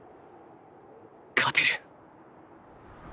勝てる！